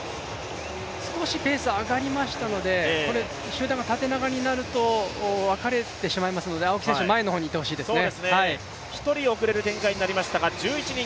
少しペース上がりましたので集団が縦長になると分かれてしまいますので青木選手、前の方に行ってほしいですね。